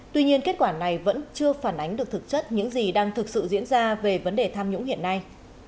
tuy nhiên kết quả này vẫn chưa phản ánh được thực chất những gì đang thực sự diễn ra về vấn đề tham nhũng hiện nay